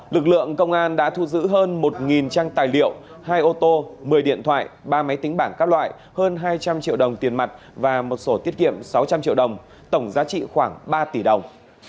lực lượng công an đã thu giữ hơn một trang tài liệu hai ô tô một mươi điện thoại ba máy tính bảng các loại hơn hai trăm linh triệu đồng tiền mặt và một sổ tiết kiệm sáu trăm linh triệu đồng tổng giá trị khoảng ba tỷ đồng